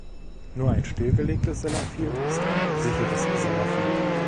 Nur ein stillgelegtes Sellafield ist ein sicheres Sellafield.